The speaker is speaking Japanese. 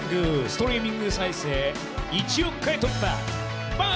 ストリーミング再生１億回突破！